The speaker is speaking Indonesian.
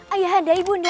ayah andai bunda